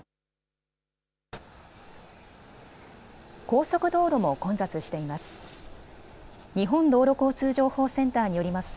高速道路も混雑しています。